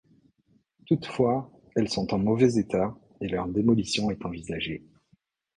Toutefois, elles sont en mauvais état et leur démolition est envisagée.